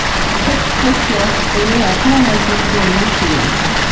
Seth Troxler est né à Kalamazoo dans le Michigan.